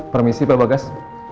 permisi pak bagas